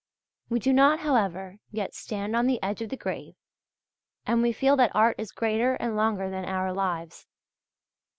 We do not, however, yet stand on the edge of the grave, and we feel that art is greater and longer than our lives.